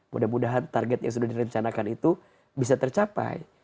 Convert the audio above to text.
mudah mudahan target yang sudah direncanakan itu bisa tercapai